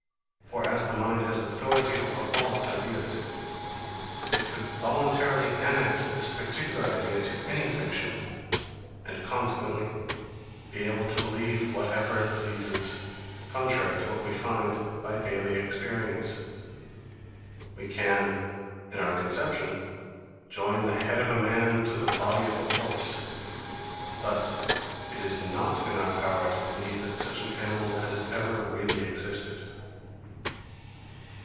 For as the mind has authority over all its ideas, it could voluntarily annex this particular idea to any fiction, and consequently be able to believe whatever it pleases; contrary to what we find by daily experience. We can, in our conception, join the head of a man to the body of a horse; but it is not in our power to believe that such an animal has ever really existed.